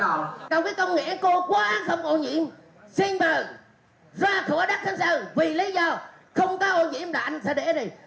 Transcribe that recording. còn cái công nghệ cô quá không ổn nhiễm xin bờ ra khỏi đất khánh sơn vì lý do không có ổn nhiễm là anh sẽ để đây